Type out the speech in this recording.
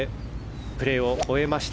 プレーを終えました。